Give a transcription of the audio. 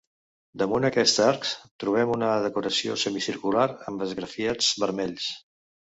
Damunt aquests arcs trobem una decoració semicircular amb esgrafiats vermells.